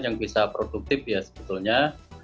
yang bisa produktif ya sebetulnya